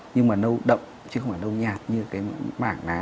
nhưng mà nâu đậm chứ không phải nâu nhạt như cái mảng nám